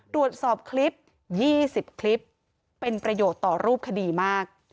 ตรวจสอบคลิป๒๐คลิปเป็นประโยชน์ต่อรูปคดีมาก